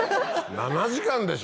７時間でしょ？